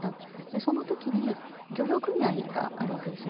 その時に漁業組合があるわけですよね。